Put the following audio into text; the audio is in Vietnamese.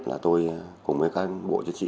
là tôi cùng với các bộ chính trị